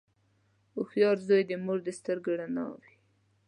• هوښیار زوی د مور د سترګو رڼا وي.